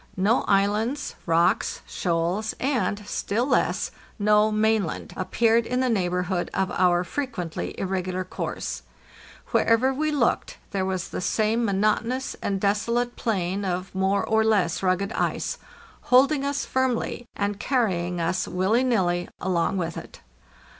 No islands, rocks, shoals, and, still less, no mainland, appeared in the neighborhood of our frequently irregular course; wherever we looked there was the same mo notonous and desolate plain of more or less rugged ice, hold ing us firmly, and carrying us willy nilly along with it.